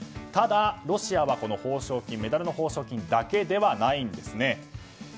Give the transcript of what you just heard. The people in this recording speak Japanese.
ただ、ロシアはメダルの報奨金だけではないんです。